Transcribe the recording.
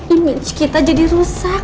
image kita jadi rusak